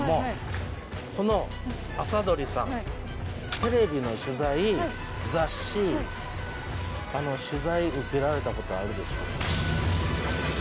テレビの取材雑誌取材受けられた事あるでしょうか？